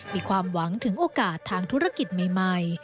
มีความหวังถึงโอกาสทางธุรกิจใหม่